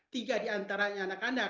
tiga diantaranya anak anak